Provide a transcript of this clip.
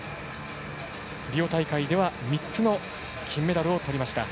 リオ大会では３つの金メダルをとりました。